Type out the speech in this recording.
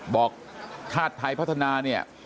บอกชาติไทยพัฒนาเนี่ย